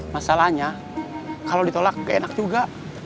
masalahnya kalau ditolak gak enak juga